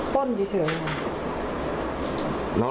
ป้นเฉยนะครับ